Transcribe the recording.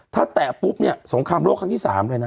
ถ้าแปะปุ๊บสงครามโลกครั้งที่๓